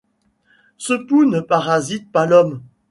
Ce pou ne parasite pas l'homme.